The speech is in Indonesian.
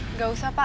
nggak usah pak